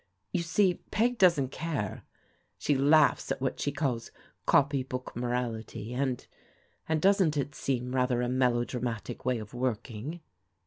You see. Peg doesn't care. She laughs at what she calls * copy book morality '; and — ^and doesn't it seem rather a melodramatic way of working?